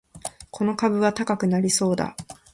この株は高くなりそうだ